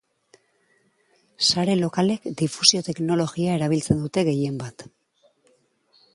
Sare lokalek difusio teknologia erabiltzen dute gehien bat.